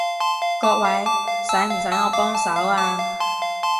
各位，使唔使我幫手啊？